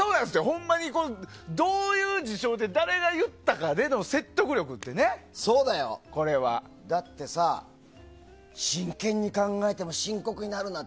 ホンマにどういう事情で誰が言ったかのそうだよ、だってさ真剣に考えても深刻になるな！